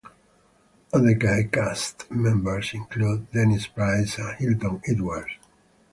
Other gay cast members included Dennis Price and Hilton Edwards.